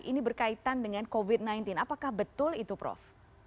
ini berkaitan dengan covid sembilan belas apakah betul itu prof